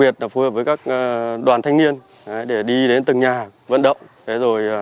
việt phù hợp với các đoàn thanh niên để đi đến từng nhà vận động